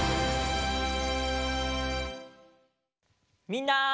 みんな！